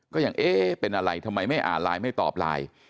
ก็ยังเอ๊ะเป็นอะไรทำไมไม่อ่านไลน์ไม่ตอบไลน์